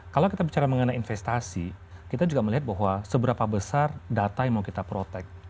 kalau kita bicara mengenai investasi kita juga melihat bahwa seberapa besar data yang mau kita protect